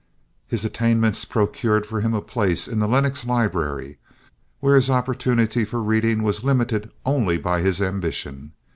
His attainments procured for him a place in the Lenox Library, where his opportunity for reading was limited only by his ambition.